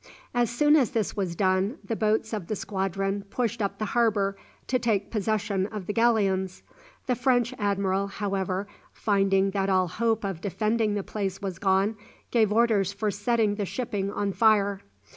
As soon as this was done, the boats of the squadron pushed up the harbour to take possession of the galleons. The French admiral, however, finding that all hope of defending the place was gone, gave orders for setting the shipping on fire.